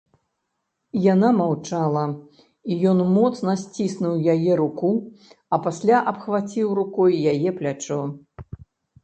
Яна маўчала, і ён моцна сціснуў яе руку, а пасля абхваціў рукою яе плячо.